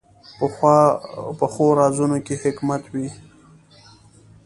پخو رازونو کې حکمت وي